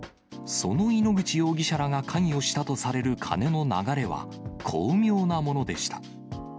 その井ノ口容疑者らが関与したとされる金の流れは巧妙なものでした。